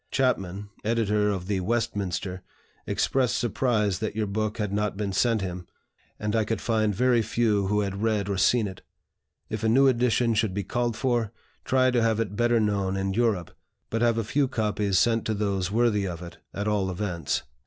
Chapman, editor of the 'Westminster,' expressed surprise that your book had not been sent him, and I could find very few who had read or seen it. If a new edition should be called for, try to have it better known in Europe, but have a few copies sent to those worthy of it, at all events."